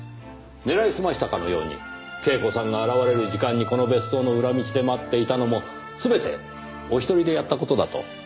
狙いすましたかのように恵子さんが現れる時間にこの別荘の裏道で待っていたのも全てお一人でやった事だと？